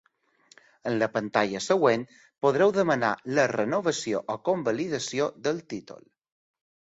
En la pantalla següent podreu demanar la renovació o convalidació del títol.